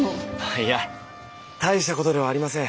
いや大したことではありません。